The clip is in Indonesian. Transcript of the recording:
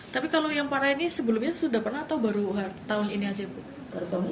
tapi kalau yang parah ini sebelumnya sudah pernah atau baru tahun ini aja